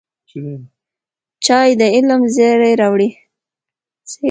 چای د علم زېری راوړي